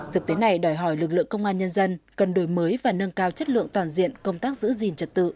thực tế này đòi hỏi lực lượng công an nhân dân cần đổi mới và nâng cao chất lượng toàn diện công tác giữ gìn trật tự